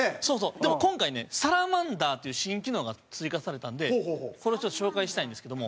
でも、今回ねサラマンダーという新機能が追加されたんでこれを、ちょっと紹介したいんですけども。